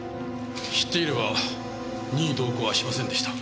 「知っていれば任意同行はしませんでした」